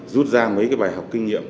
rút ra mấy cái bài học kinh nghiệm